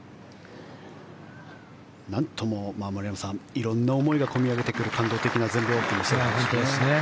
なんとも丸山さん色んな思いが込み上げてくる感動的な全米オープンですね。